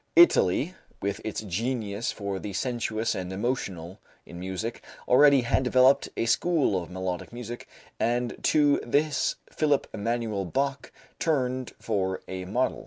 Italy, with its genius for the sensuous and emotional in music, already had developed a school of melodic music, and to this Philipp Emanuel Bach turned for a model.